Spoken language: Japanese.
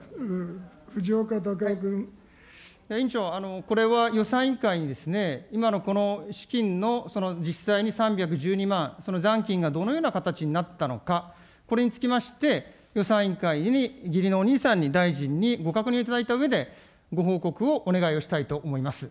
委員長、これは予算委員会に今のこの資金の実際に３１２万、その残金がどのような形になったのか、これにつきまして、予算委員会に義理のお兄さんに、大臣にご確認をいただいたうえで、ご報告をお願いをしたいと思います。